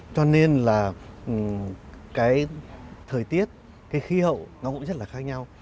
cho nên là cái thời tiết cái khí hậu nó cũng rất là khác nhau